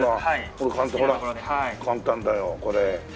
ほら簡単だよこれ。